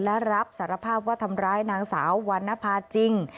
และรับสารภาพว่าทำร้ายนางสาววันนภาจริง